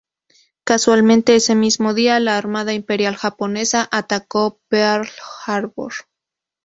Casualmente, ese mismo día la Armada Imperial Japonesa atacó Pearl Harbor.